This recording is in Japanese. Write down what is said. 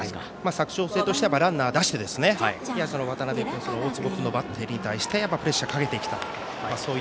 佐久長聖としてはランナーを出して渡辺君、大坪君のバッテリーに対してプレッシャーをかけていきたい。